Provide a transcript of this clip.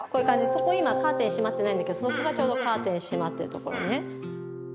そこ今カーテン閉まってないんだけどそこがちょうどカーテン閉まってるところね